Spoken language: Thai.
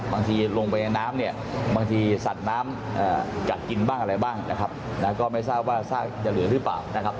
บางทีลงไปในน้ำเนี่ยบางทีสัตว์น้ำกัดกินบ้างอะไรบ้างนะครับก็ไม่ทราบว่าซากจะเหลือหรือเปล่านะครับ